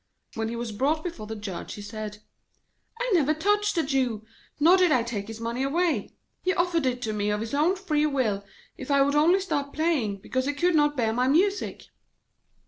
When he was brought before the Judge, he said 'I never touched the Jew, nor did I take his money away; he offered it to me of his own free will if I would only stop playing, because he could not bear my music.'